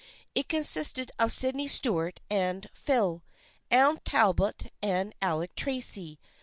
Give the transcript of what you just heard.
It con sisted of Sydney Stuart and Phil, Anne Talbot and Alec Tracy.